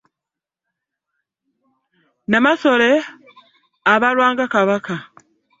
Namasole abalwa nga Kabaka.